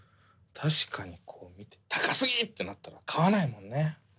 確かにこう見て「高すぎ！」となったら買わないもんね。